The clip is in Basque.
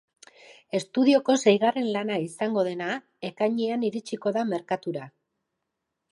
Estudioko seigarren lana izango dena, ekainean iritsiko da merkatura.